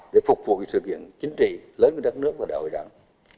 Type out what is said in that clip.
để phục vụ sự kiện chính trị lớn của đất nước và đại hội đảng